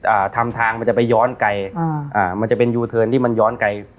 อ่าทำทางมันจะไปย้อนไกลอ่ามันจะเป็นย้อนไกลอ่า